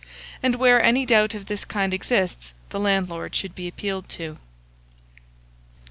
And where any doubt of this kind exists, the landlord should be appealed to. 2697.